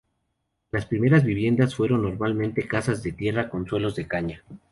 Las primeras viviendas fueron normalmente casas de tierra con suelos de caña.